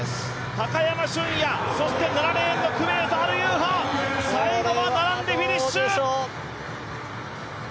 高山峻野、そして７レーンのアルユーハ最後は、並んでフィニッシュ！